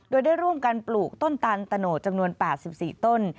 โดยได้ร่วมกันปลูกต้นตันตะโนดจำนวน๘๔ต้น